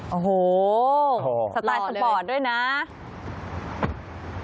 โอ้โฮสตรายสปอร์ตด้วยนะสตรายสปอร์ตเลย